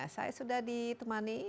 saya sudah ditemani